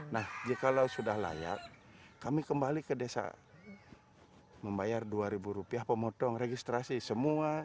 nah jikalau sudah layak kami kembali ke desa membayar dua ribu rupiah pemotong registrasi semua